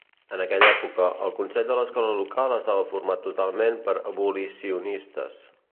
En aquella època, el consell de l'escola local estava format totalment per abolicionistes.